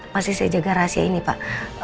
pasti saya jaga rahasia ini pak